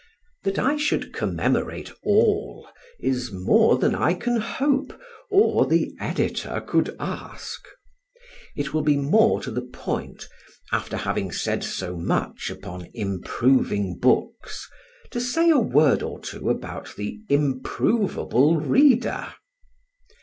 That I should commemorate all is more than I can hope or the Editor could ask. It will be more to the point, after having said so much upon improving books, to say a word or two about the improvable reader.